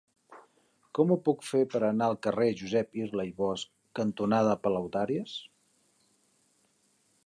Com ho puc fer per anar al carrer Josep Irla i Bosch cantonada Palaudàries?